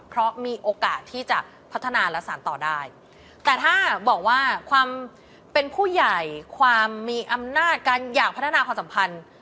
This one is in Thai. เพราะมีโอกาสที่จะพัฒนาและสารต่อได้แต่ถ้าบอกว่าความเป็นผู้ใหญ่ความมีอำนาจการอยากพัฒนาความสัมพันธ์